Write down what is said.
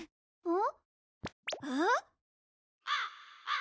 ん？